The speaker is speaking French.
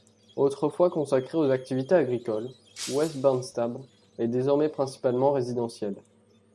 Autrefois consacrée aux activités agricoles, West Barnstable est désormais principalement résidentielle.